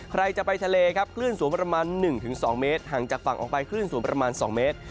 ใครจะไปทะเลครับคลื่นสูงประมาณ๑๒เมตรห่างจากฝั่งออกไปคลื่นสูงประมาณ๒เมตร